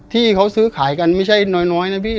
ที่เขาซื้อขายกันไม่ใช่น้อยนะพี่